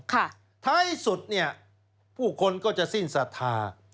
ถ้าให้สุดเนี่ยผู้คนก็จะสิ้นสทา